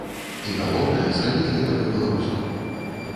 І, галоўнае, зрабіць гэта па-беларуску.